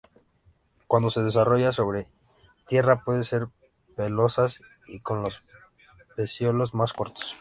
Cuando se desarrolla sobre tierra, pueden ser pelosas, y con los pecíolos más cortos.